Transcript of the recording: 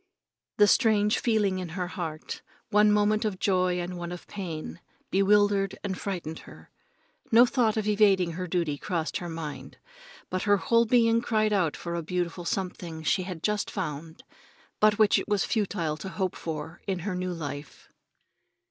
The strange feeling in her heart, one moment of joy and one of pain, bewildered and frightened her. No thought of evading her duty crossed her mind, but her whole being cried out for a beautiful something she had just found, but which it was futile to hope for in her new life.